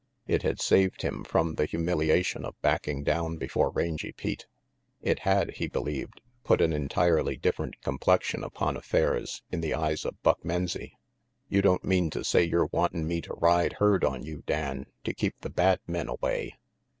It had saved him from the humiliation of backing down before Rangy Pete. It had, he believed, put an entirely different complexion upon affairs in the eyes of Buck Menzie. "You don't mean to say yer wantin' me to ride herd on you, Dan, to keep the bad men away?"